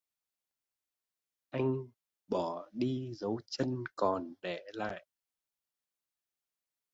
Anh bỏ đi dấu chân còn để lại